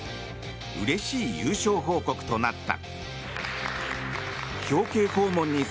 うれしい優勝報告となった。